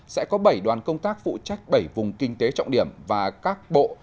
sẽ có bảy đoàn công tác phụ trách bảy vùng kinh tế trọng điểm và các bộ